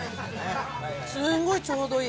すごいちょうどいい。